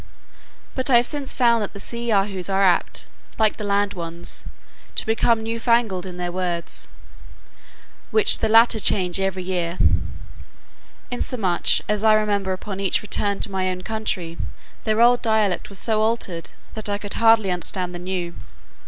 But I have since found that the sea Yahoos are apt, like the land ones, to become new fangled in their words, which the latter change every year; insomuch, as I remember upon each return to my own country their old dialect was so altered, that I could hardly understand the new.